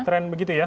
tren begitu ya